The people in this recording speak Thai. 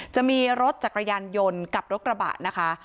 จะมีรถจักรยานยนต์กับรถกระบะนะคะ